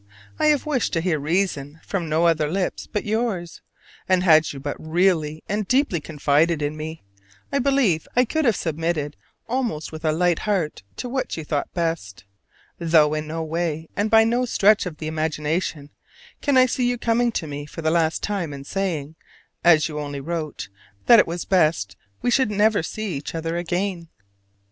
I have wished to hear reason from no other lips but yours; and had you but really and deeply confided in me, I believe I could have submitted almost with a light heart to what you thought best: though in no way and by no stretch of the imagination can I see you coming to me for the last time and saying, as you only wrote, that it was best we should never see each other again.